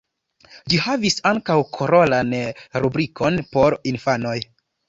Ĝi havis ankaŭ koloran rubrikon por infanoj.